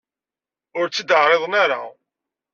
Ur tt-id-ɛriḍen ara.